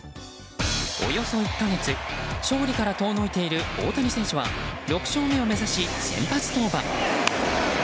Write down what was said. およそ１か月、勝利から遠のいている大谷選手は６勝目を目指し、先発登板。